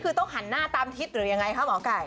คือต้องหันหน้าตามทิศหรือยังไงคะหมอไก่